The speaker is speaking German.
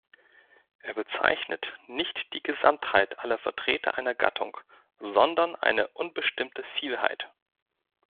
Er bezeichnet nicht die Gesamtheit alle Vertreter einer Gattung, sondern eine unbestimmte Vielheit.